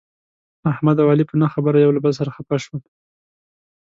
احمد او علي په نه خبره یو له بل سره خپه شول.